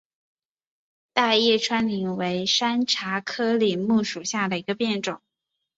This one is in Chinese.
大叶川柃为山茶科柃木属下的一个变种。